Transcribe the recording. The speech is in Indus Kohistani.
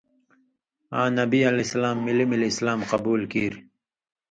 آں نبی علیہ السلام مِلیۡ مِلیۡ اِسلام قبول کیریۡ۔